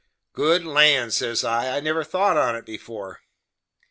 "Good land!" says I, "I never thought on it before."